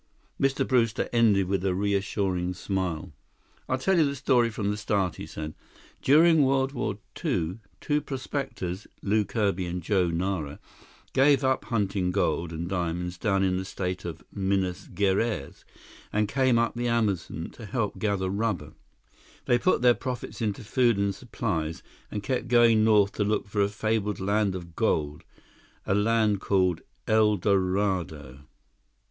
Mr. Brewster ended with a reassuring smile. "I'll tell you the story from the start," he said. "During World War Two, two prospectors, Lew Kirby and Joe Nara, gave up hunting gold and diamonds down in the state of Minas Geraes and came up the Amazon to help gather rubber. They put their profits into food and supplies and kept going north to look for a fabled land of gold—a land called El Dorado."